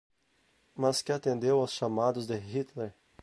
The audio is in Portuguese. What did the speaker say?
mas que atendeu aos chamados de Hitler